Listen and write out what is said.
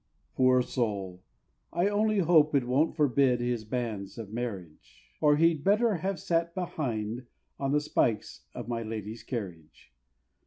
Poor soul! I only hope it won't forbid his banns of marriage; Or he'd better have sat behind on the spikes of my Lady's carriage.